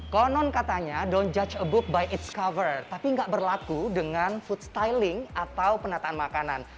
konon katanya don't judge a book by its cover tapi gak berlaku dengan food styling atau penataan makanan